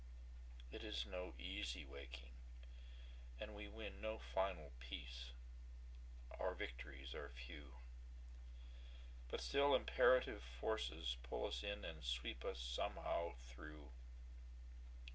It is no easy waking, and we winNo final peace; our victories are few. But still imperative forces pull us inAnd sweep us somehow through.